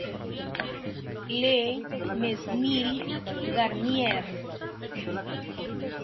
Le Mesnil-Garnier